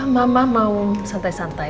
mama mau santai santai